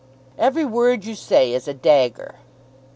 "Every word you say is a dagger."